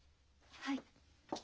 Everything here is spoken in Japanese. はい。